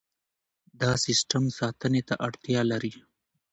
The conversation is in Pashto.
دا سیستم ساتنې ته اړتیا لري.